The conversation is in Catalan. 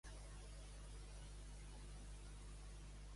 La diversitat lingüística enriqueix la nostra societat i cal vetllar per ella.